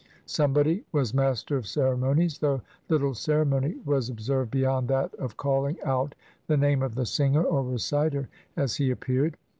Somebody was master of ceremonies, though little ceremony was ob served beyond that of calling out the name of the singer or reciter, as he appeared.